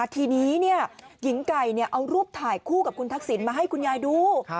ทีนี้หญิงไก่เอารูปถ่ายคู่กับคุณทักษิณมาให้คุณยายดู